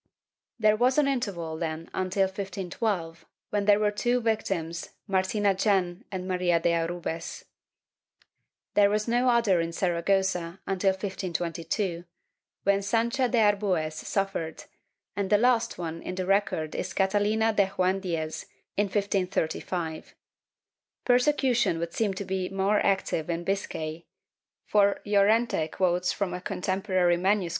There was an interval then until 1512, when there were two victims, Martina Gen and Maria de Arbues. There was no other in Sara gossa until 1522, when Sancha de Arbues suffered, and the last one in the record is Catalina de Joan Diez, in 1535/ Persecution would seem to be more active in Biscay, for Llorente quotes from a contemporary MS.